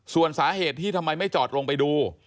ส่วนสาเหตุที่ทำไมไม่จอดลงไปดู